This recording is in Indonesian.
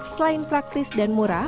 selain praktis dan murah